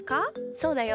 そうだよ。